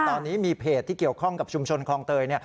ตอนนี้มีเพจที่เกี่ยวข้องกับชุมชนคลองเตย